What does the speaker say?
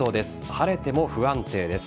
晴れても不安定です。